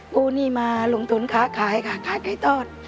หนี้มาลงทุนค้าขายค่ะขายไก่ทอด